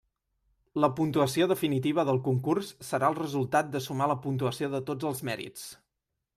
La puntuació definitiva del concurs serà el resultat de sumar la puntuació de tots els mèrits.